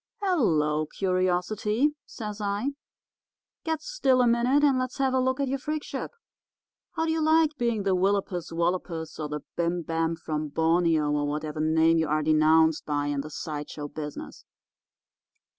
"'Hello, Curiosity,' says I. 'Get still a minute and let's have a look at your freakship. How do you like being the willopus wallopus or the bim bam from Borneo, or whatever name you are denounced by in the side show business?